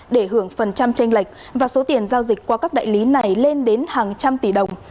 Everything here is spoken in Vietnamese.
để hưởng phần trăm tranh lệch và số tiền giao dịch qua các đại lý này lên đến hàng trăm tỷ đồng